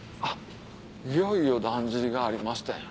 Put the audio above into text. いよいよだんじりがありましたやん。